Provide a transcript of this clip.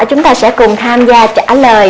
chúng ta sẽ cùng tham gia trả lời